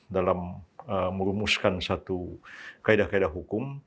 dalam merumuskan satu kaedah kaedah hukum